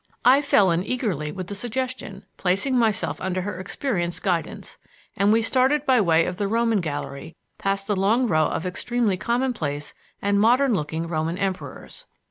I fell in eagerly with the suggestion, placing myself under her experienced guidance, and we started by way of the Roman Gallery, past the long row of extremely commonplace and modern looking Roman Emperors.